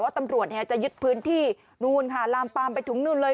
ตำรวจจะยึดพื้นที่นู่นค่ะลามปามไปถึงนู่นเลย